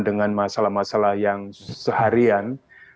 dengan masalah masalah yang seharian